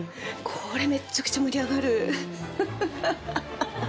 これめっちゃくちゃ盛り上がるフフフフフ